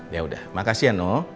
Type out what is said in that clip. yaudah makasih ya noh